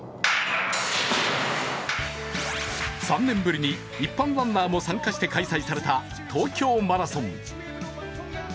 ３年ぶりに一般ランナーも参加して開催された東京マラソン。